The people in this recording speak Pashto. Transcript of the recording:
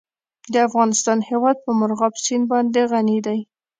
د افغانستان هیواد په مورغاب سیند باندې غني دی.